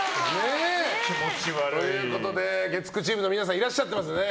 ということで月９チームの皆さんいらっしゃってますね。